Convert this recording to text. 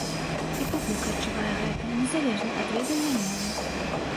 І публіка адчувае гэта, незалежна ад ведання мовы.